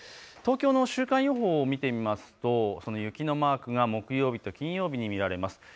東京の週間予報を見てみますと雪のマークが木曜日と金曜日にあります。